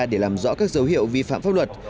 để làm rõ các dấu hiệu vi phạm pháp luật